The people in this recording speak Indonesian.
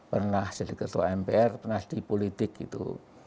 pernah jadi ketua mpr pernah di politik gitu